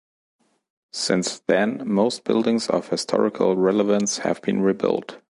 Since then, most buildings of historical relevance have been rebuilt.